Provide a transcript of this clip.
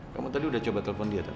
kamu tadi udah coba telepon dia tadi